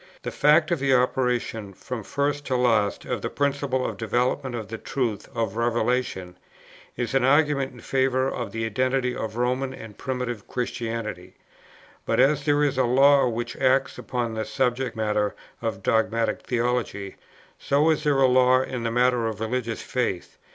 The fact of the operation from first to last of that principle of development in the truths of Revelation, is an argument in favour of the identity of Roman and Primitive Christianity; but as there is a law which acts upon the subject matter of dogmatic theology, so is there a law in the matter of religious faith.